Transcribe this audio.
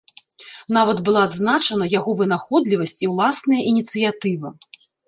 Нават была адзначана яго вынаходлівасць і ўласная ініцыятыва.